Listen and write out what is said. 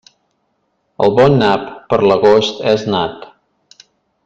El bon nap, per l'agost és nat.